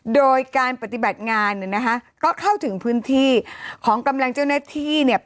โดยการปฏิบัติงานเนี่ยนะคะก็เข้าถึงพื้นที่ของกำลังเจ้าหน้าที่เนี่ย